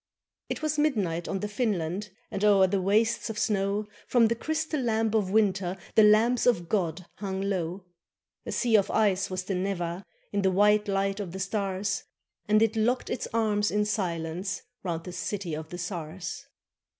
It was midnight on the Finland, And, o'er the wastes of snow. From the crystal lamp of winter The lamps of God hung low. A sea of ice was the Neva, In the white light of the stars, And it locked its arms in silence Round the city of the czars.